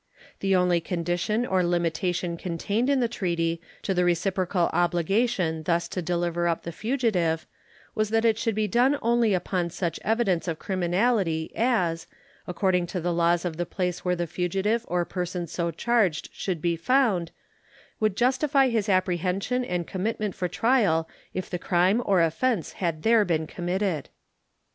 The only condition or limitation contained in the treaty to the reciprocal obligation thus to deliver up the fugitive was that it should be done only upon such evidence of criminality as, according to the laws of the place where the fugitive or person so charged should be found, would justify his apprehension and commitment for trial if the crime or offense had there been committed.